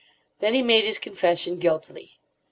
Then he made his confession guiltily.